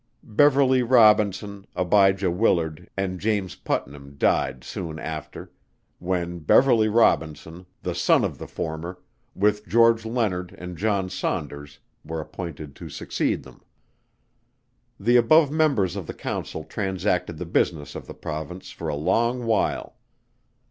BEVERLEY ROBINSON, ABIJAH WILLARD, and JAMES PUTNAM, died soon after, when BEVERLEY ROBINSON, the son of the former, with GEORGE LEONARD, and JOHN SAUNDERS, were appointed to succeed them. The above Members of the Council transacted the business of the Province for a long while.